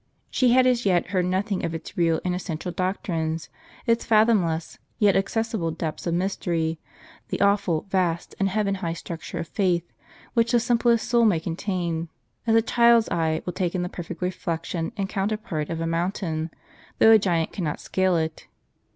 She had as yet heard nothing of its real and essential doctrines, its fathomless, yet accessible, depths of mystery ; the awful, vast, and heaven high structure of faith, which the simplest soul may contain ; as a child's eye will take in the perfect reflection and counter part of a mountain, though a giant cannot scale it.